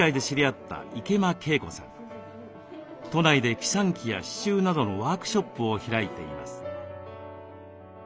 都内でピサンキやししゅうなどのワークショップを開いています。